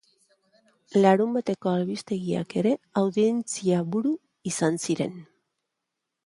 Larunbateko albistegiak ere audientzia-buru izan ziren.